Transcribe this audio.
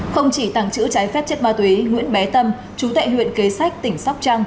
không chỉ tàng trữ trái phép chất ba tuế nguyễn bé tâm chú tệ huyện kế sách tỉnh sóc